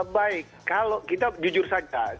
baik kalau kita jujur saja